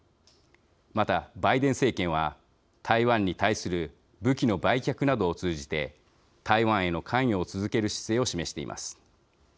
また、バイデン政権は台湾に対する武器の売却などを通じて台湾への関与を続ける姿勢を示しています。